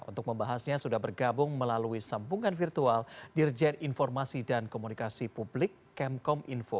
untuk membahasnya sudah bergabung melalui sambungan virtual dirjen informasi dan komunikasi publik kemkom info